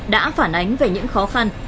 đã phản ánh về những khó khăn